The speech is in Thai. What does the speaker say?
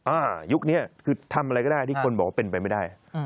ยุคนี้คือทำอะไรก็ได้ที่คนบอกว่าเป็นไปไม่ได้